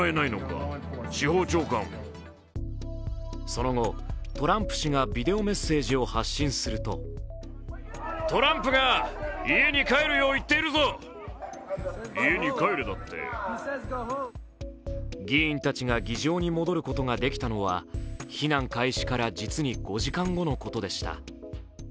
その後、トランプ氏がビデオメッセージを発信すると議員たちが議場に戻ることができたのは避難開始から実に５時間後のことでした。